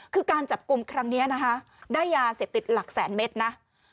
คือการจับกลุ่มครั้งนี้นะคะได้ยาเสพติดหลักแสนเมตรนะ